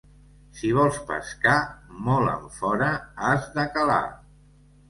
Si vols pescar, molt enfora has de calar.